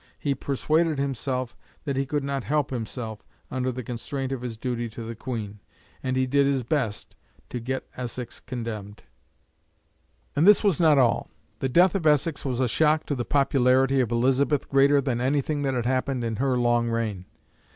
He persuaded himself that he could not help himself, under the constraint of his duty to the Queen, and he did his best to get Essex condemned. And this was not all. The death of Essex was a shock to the popularity of Elizabeth greater than anything that had happened in her long reign.